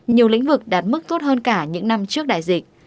nhiều lĩnh vực đạt mức tốt hơn cả những năm trước đại dịch